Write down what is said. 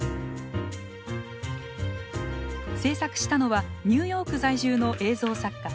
制作したのはニューヨーク在住の映像作家